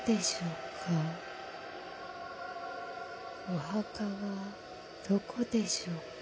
・お墓はどこでしょうか。